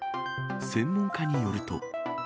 専門家によると。